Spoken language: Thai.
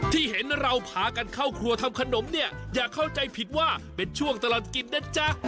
ที่เห็นเราพากันเข้าครัวทำขนมเนี่ยอย่าเข้าใจผิดว่าเป็นช่วงตลอดกินนะจ๊ะ